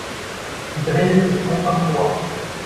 Sie drängelte sich einfach vor.